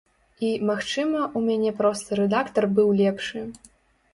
І, магчыма, у мяне проста рэдактар быў лепшы.